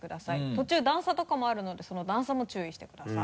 途中段差とかもあるのでその段差も注意してください。